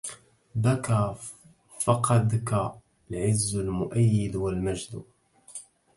بكى فقدك العز المؤيد والمجد